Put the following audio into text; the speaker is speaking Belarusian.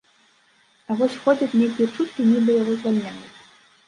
А вось ходзяць нейкія чуткі, нібы яго звальняюць.